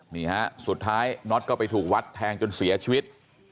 นี่ฮะสุดท้ายน็อตก็ไปถูกวัดแทงจนเสียชีวิต